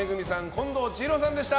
近藤千尋さんでした。